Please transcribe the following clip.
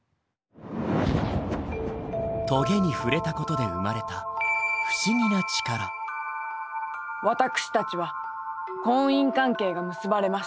棘に触れたことで生まれた私たちは婚姻関係が結ばれました。